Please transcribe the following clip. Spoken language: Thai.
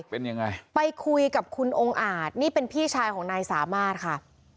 เป็นยังไงไปคุยกับคุณองค์อาจนี่เป็นพี่ชายของนายสามารถค่ะ